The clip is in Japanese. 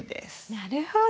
なるほど。